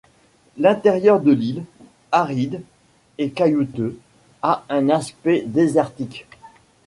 L’intérieur de l’île, aride et caillouteux, a un aspect désertique.